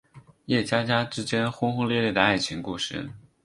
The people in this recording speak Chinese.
叶家家之间轰轰烈烈的爱情故事。